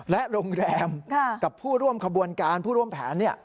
และโรงแรมเค้าบุญการผู้ร่วมแผน